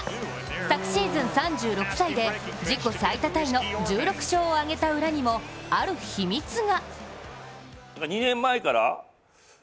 昨シーズン、３６歳で自己最多タイの１６勝を挙げた裏にも、ある秘密が。